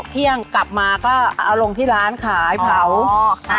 เที่ยงกลับมาก็เอาลงที่ร้านขายเผาอ๋อค่ะ